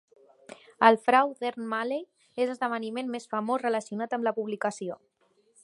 El frau d'Ern Malley és l'esdeveniment més famós relacionat amb la publicació.